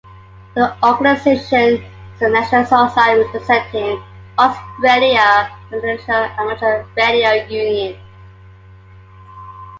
The organisation is the national society representing Australia in the International Amateur Radio Union.